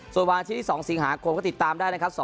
ส่วนวันอาทิตย์ที่๒สิงหาคมก็ติดตามได้นะครับ